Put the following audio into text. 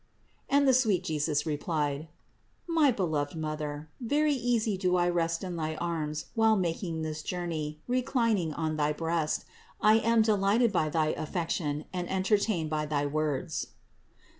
And the sweetest Jesus replied : "My beloved Mother, very easily do I rest in thy arms while making this journey, and reclining on thy breast, I am delighted by thy affection, and enter tained by thy words."